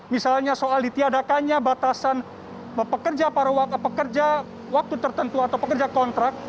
misalnya soal ditiadakannya batasan pekerja waktu tertentu atau pekerja kontrak